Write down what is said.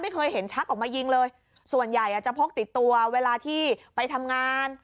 ไม่เคยเห็นชักออกมายิงเลยส่วนใหญ่อาจจะพกติดตัวเวลาที่ไปทำงาน